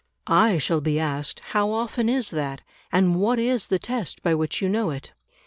I shall be asked, How often is that, and what is the test by which you know it?